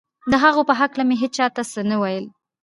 د هغو په هکله مې هېچا ته څه نه ویل